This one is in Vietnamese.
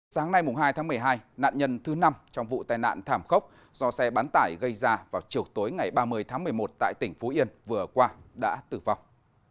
sáng nay hai tháng một mươi hai nạn nhân thứ năm trong vụ tai nạn thảm khốc do xe bán tải gây ra vào chiều tối ngày ba mươi tháng một mươi một tại tỉnh phú yên vừa qua đã tử vong